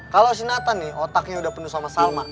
kalo si nathan nih otaknya udah penuh sama salma